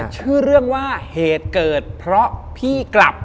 ชื่อเรื่องว่าเหตุเกิดเพราะพี่กลับ